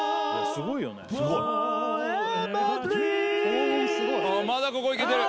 すごいまだここいけてる